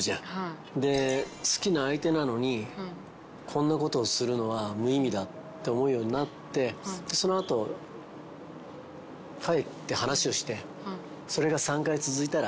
で好きな相手なのにこんなことをするのは無意味だって思うようになってその後帰って話をして。